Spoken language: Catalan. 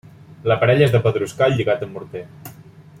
L'aparell és de pedruscall lligat amb morter.